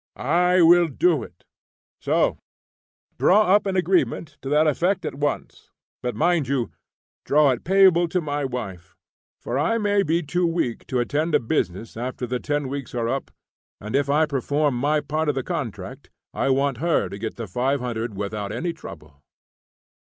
"I will do it; so draw up an agreement to that effect at once. But mind you, draw it payable to my wife, for I may be too weak to attend to business after the ten weeks are up, and if I perform my part of the contract, I want her to get the $500 without any trouble."